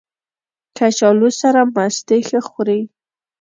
کچالو سره مستې ښه خوري